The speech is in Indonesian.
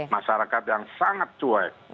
masyarakat yang sangat cuek